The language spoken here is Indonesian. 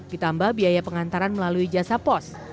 ditambah biaya pengantaran melalui jasa pos